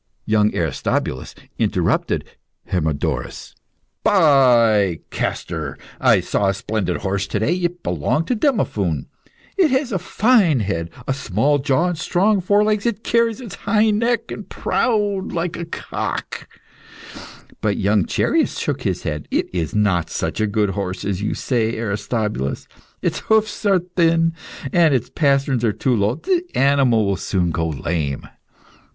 Young Aristobulus interrupted Hermodorus. "By Castor! I saw a splendid horse to day. It belonged to Demophoon. It has a fine head, small jaw, and strong forelegs. It carries its neck high and proud, like a cock." But young Chereas shook his head. "It is not such a good horse as you say, Aristobulus. Its hoofs are thin, and the pasterns are too low; the animal will soon go lame."